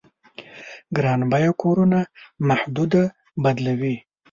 ګران بيه کورونو محدوده بدلوي.